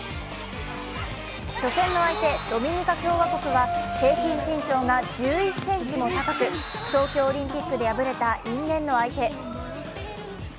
初戦の相手・ドミニカ共和国は平均身長が１１ｃｍも高く、東京オリンピックで敗れた因縁の相手。